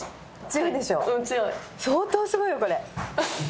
相当すごいよこれ。